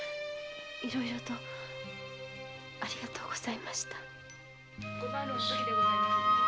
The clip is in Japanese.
いろいろとありがとうございました。